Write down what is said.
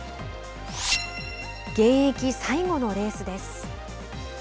現役最後のレースです。